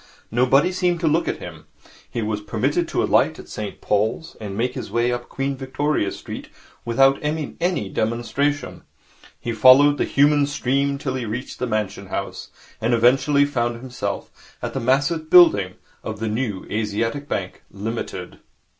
Nobody seemed to look at him. He was permitted to alight at St Paul's and make his way up Queen Victoria Street without any demonstration. He followed the human stream till he reached the Mansion House, and eventually found himself at the massive building of the New Asiatic Bank, Limited.